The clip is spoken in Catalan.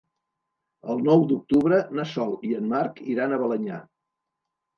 El nou d'octubre na Sol i en Marc iran a Balenyà.